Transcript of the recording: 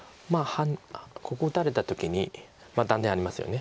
ここ打たれた時に断点ありますよね。